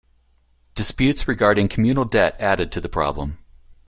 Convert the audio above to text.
Disputes regarding communal debt added to the problem.